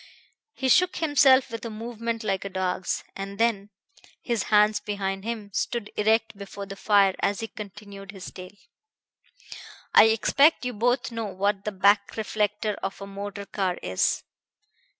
He shook himself with a movement like a dog's, and then, his hands behind him, stood erect before the fire as he continued his tale. "I expect you both know what the back reflector of a motor car is."